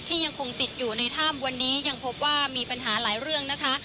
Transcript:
ยังคงติดอยู่ในถ้ำวันนี้ยังพบว่ามีปัญหาหลายเรื่องนะคะ